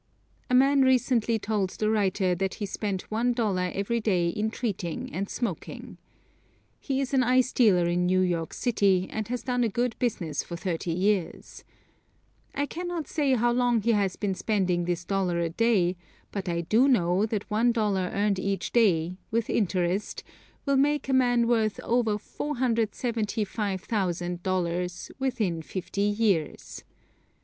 A man recently told the writer that he spent one dollar every day in treating and smoking. He is an ice dealer in New York City, and has done a good business for thirty years. I cannot say how long he has been spending this dollar a day, but I do know that one dollar earned each day, with interest, will make a man worth over $475,000 within fifty years.